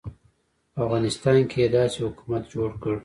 خو په افغانستان کې یې داسې حکومت جوړ کړ.